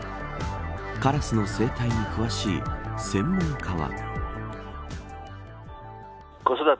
カラスの生態に詳しい専門家は。